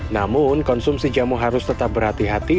namun konsumsi jamu harus tetap berhati hati